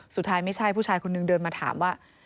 ไม่ใช่ผู้ชายคนนึงเดินมาถามว่า